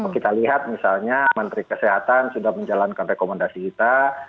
kita lihat misalnya menteri kesehatan sudah menjalankan rekomendasi kita